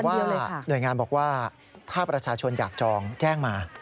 หน่วยงานบอกว่าถ้าประชาชนอยากจองแจ้งมา